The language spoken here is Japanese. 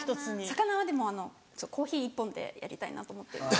魚はでもあのコーヒー一本でやりたいなと思ってるので。